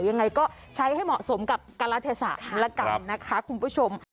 ยังไงก็ใช้ให้เหมาะสมกับการรัฐศาสตร์แล้วกันนะคะคุณผู้ชม